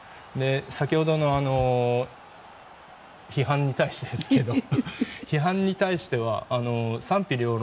先ほどの批判に対してですけど批判に対しては賛否両論